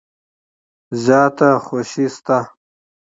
زیاته خوشي شته .